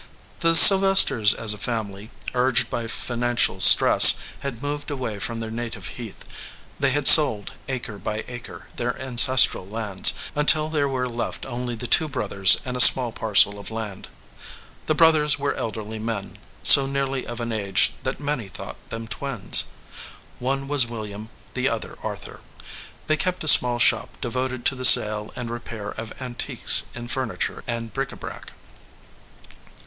The Sylvesters, as a family, urged by financial stress, had moved away from their native heath; they had sold, acre by acre, their ancestral lands, Si EDGEWATER PEOPLE until there were left only the two brothers and a small parcel of land. The brothers were elderly men, so nearly of an age that many thought them twins. One was William, the other Arthur. They kept a small shop devoted to the sale and repair of antiques in furniture and bric a brac.